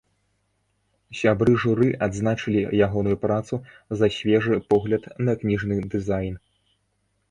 Сябры журы адзначылі ягоную працу за свежы погляд на кніжны дызайн.